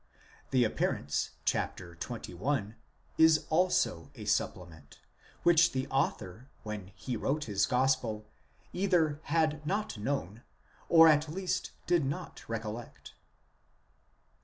The appearance chap. xxi. is also a supplement, which the author, when he wrote his gospel, either had not known, or at least did not recollect.